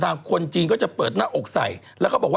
ตอนนั้นก็ไหนครับ